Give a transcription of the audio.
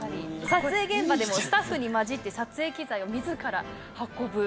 撮影現場でもスタッフに交じって撮影機材を自ら運ぶ。